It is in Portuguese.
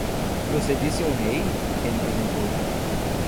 "Você disse um rei?" ele perguntou.